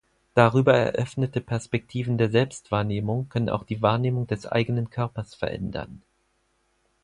Darüber eröffnete Perspektiven der Selbstwahrnehmung können auch die Wahrnehmung des eigenen Körpers verändern.